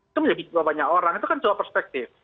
itu menjadi banyak orang itu kan cuma perspektif